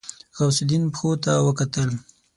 غوث الدين پښو ته وکتل.